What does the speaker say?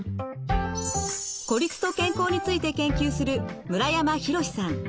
孤立と健康について研究する村山洋史さん。